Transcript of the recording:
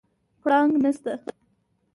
پړانګ نسته